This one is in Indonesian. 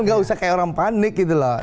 nggak usah kayak orang panik gitu loh